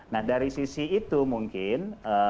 nah dari sisi itu mungkin